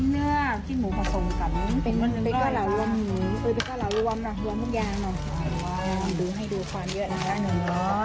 อันนี้เก้าเหลาถึงละหนึ่งรอดเจ้า